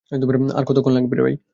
আর কতক্ষণ লাগবে?